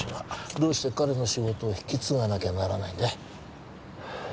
どうして彼の仕事を引き継がなきゃならないんだい？